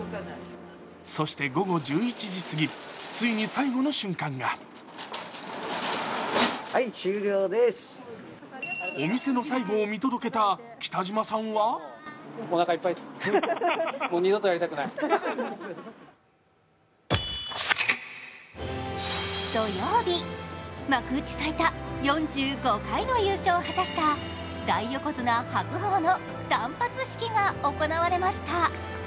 そして午後１１時すぎ、ついに最後の瞬間がお店の最後を見届けた北島さんは土曜日、幕内最多４５回の優勝を果たした大横綱・白鵬の断髪式が行われました。